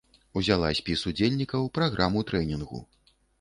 Узяла спіс удзельнікаў, праграму трэнінгу.